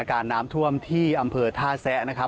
พักฝาติน้ำท่วมที่อำเภอท่าแซะ